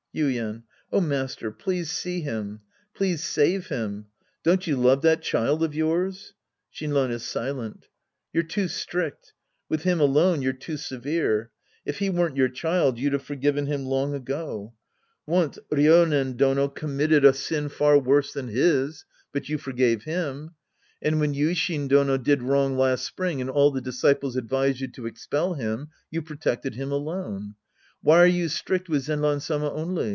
Yuien. Oh, master, please see him. Please save him. Don't you love that child of yours ? (Shinran is silent.') You're too strict. With him alone, you're too severe. If he weren't your child, you'd have for given him long ago. Once Ryonen Dono committed 128 The Priest and His Disciples Act III a sin far worse than his. But you forgave him. And when Yuishin Dono did wrong last spring and all the disciples advised you to expell him, you protect ed him alone. Why are you strict with Zenran Sama only?